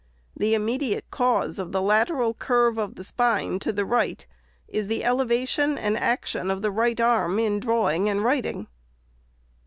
The immediate cause of the lateral curve of the spine to the right is the elevation and action of the right arm in drawing and writing."